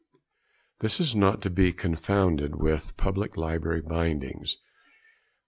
This is not to be confounded with public library bindings.